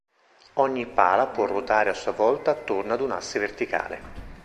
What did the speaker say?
Ogni pala può ruotare a sua volta attorno ad un asse verticale.